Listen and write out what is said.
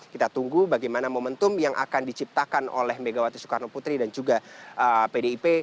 kita tunggu bagaimana momentum yang akan diciptakan oleh megawati soekarno putri dan juga pdip